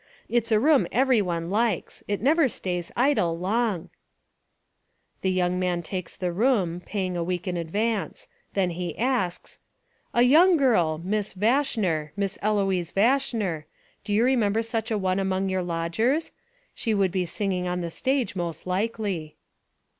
It's a room every one likes. It never stays Idle long " The young man takes the room, paying a week In advance. Then he asks: "A young girl — Miss Vashner — Miss Eloise Vashner — do you remember such a one among your lodgers? She would be singing on the stage most likely."